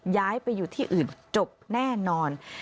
ย้ายไปอยู่ที่อื่นจบแน่นอน